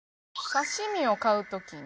刺し身を買う時に。